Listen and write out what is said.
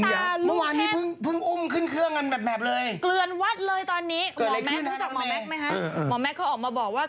ยาพเยอะค่ะ